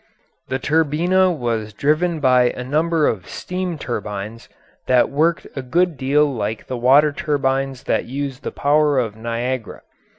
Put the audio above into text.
The Turbina was driven by a number of steam turbines that worked a good deal like the water turbines that use the power of Niagara.